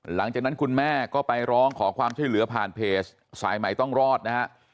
หลังจากนั้นคุณแม่ก็ไปร้องขอความช่วยเหลือผ่านเพจสายใหม่ต้องรอดนะฮะ